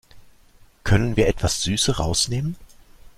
Können wir etwas Süße rausnehmen?